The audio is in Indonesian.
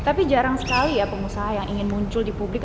tapi jarang sekali ya pengusaha yang ingin muncul di publik